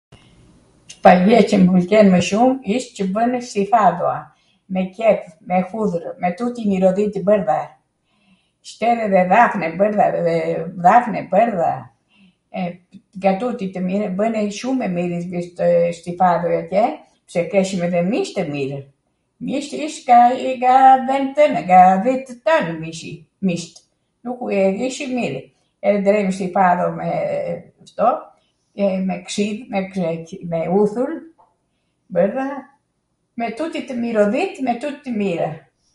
Faje qw mw pwlqen mw shum isht qw bwnet stifadhoa, me qep, me hudhrw, me tuti mirodhitw bwrdha, shter edhe dhafne bwrdha dhe dhafne bwrdha, nga tuti tewmirat, bwnej shum e mirw stifadho atje, se keshwm edhe mish tw mirw, mishi ish nga dhwntw twnw, nga dhitw tanw mishi, nuku, ish i mirw, edhe stifadho me kto, me ksidh, me uthul bwrdha, me tuti tw mirodhit, me tuti tw mira.